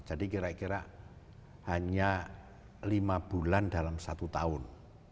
jadi kira kira hanya lima bulan dalam satu tahun